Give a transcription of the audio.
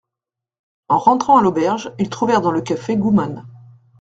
En rentrant à l'auberge, ils trouvèrent dans le café Goutman.